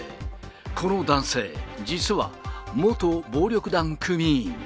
この男性、実は元暴力団組員。